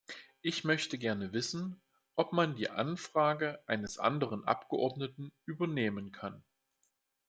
Ich möchte gerne wissen, ob man die Anfrage eines anderen Abgeordneten übernehmen kann?